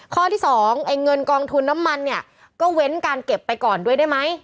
ข้อที่สองไอ้เงินกองทุนน้ำมันเนี่ยก็เว้นการเก็บไปก่อนด้วยได้ไหม